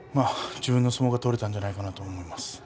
自分の相撲が取れたんじゃないかと思います。